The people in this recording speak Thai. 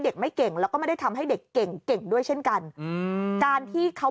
เด็กไม่เก่งแล้วก็ไม่ได้ทำให้เด็กเก่งเก่งด้วยเช่นกันอืมการที่เขา